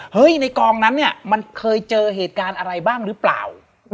ในกองนั้นเนี่ยมันเคยเจอเหตุการณ์อะไรบ้างหรือเปล่า